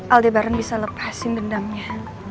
aldebaran bisa lepasin dendamnya